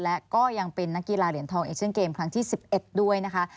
และก็ยังเป็นนักกีฬาเหรียญทองเอเชียนเกมครั้งที่๑๑ด้วยนะคะ